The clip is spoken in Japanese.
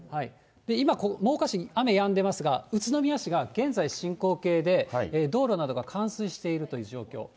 今、真岡市、雨やんでますが、宇都宮市が現在進行形で、道路などが冠水しているという状況。